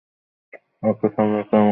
আর তা সামলাতে আমাকে যেতে হলো।